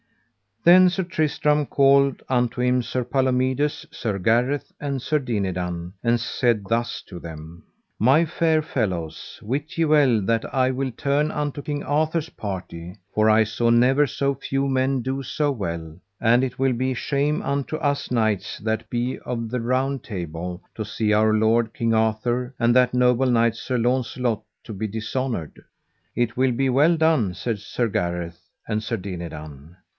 Then Sir Tristram called unto him Sir Palomides, Sir Gareth, and Sir Dinadan, and said thus to them: My fair fellows, wit ye well that I will turn unto King Arthur's party, for I saw never so few men do so well, and it will be shame unto us knights that be of the Round Table to see our lord King Arthur, and that noble knight Sir Launcelot, to be dishonoured. It will be well done, said Sir Gareth and Sir Dinadan.